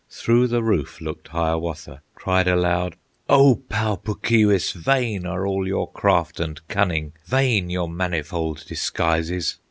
Through the roof looked Hiawatha, Cried aloud, "O Pau Puk Keewis Vain are all your craft and cunning, Vain your manifold disguises!